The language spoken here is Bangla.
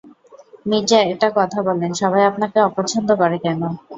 মির্জা, একটা কথা বলেন, সবাই আপনাকে অপছন্দ করে কেন?